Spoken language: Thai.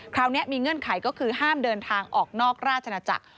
คราวนี้มีเงื่อนไขก็คือห้ามเดินทางออกนอกราชนาจักร